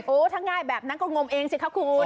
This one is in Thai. โอ๊ยถ้าง่ายแบบนั้นก็งมเองสิครับคุณ